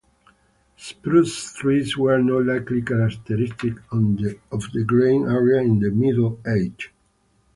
Spruce trees were not likely characteristic of the Grane area in the Middle Ages.